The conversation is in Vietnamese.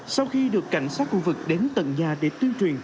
sau khi được cảnh sát khu vực đến tận nhà để tuyên truyền